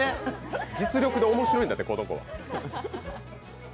実力でおもしろいんだって、この子は。